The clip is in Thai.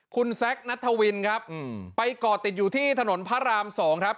คุณแซคนัทวินครับไปก่อติดอยู่ที่ถนนพระราม๒ครับ